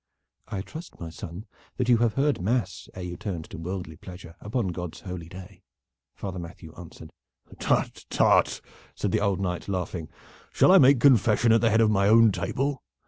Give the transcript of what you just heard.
"I trust, my son, that you had heard mass ere you turned to worldly pleasure upon God's holy day," Father Matthew answered. "Tut, tut!" said the old knight, laughing. "Shall I make confession at the head of my own table?